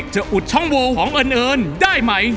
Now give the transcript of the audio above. จะอุดช่องวัวของเอิญเอิญได้ไหม